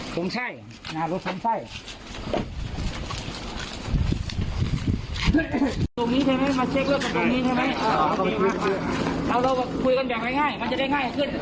ตรงนี้ใช่ไหมมาเช็ครถกันตรงนี้ใช่ไหมเอาเราก็คุยกันแบบง่ายง่ายมันจะได้ง่ายขึ้น